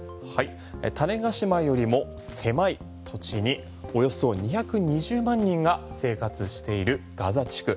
種子島よりも狭い土地におよそ２２０万人が生活しているガザ地区。